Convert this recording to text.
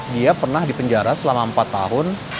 dia pernah dipenjara selama empat tahun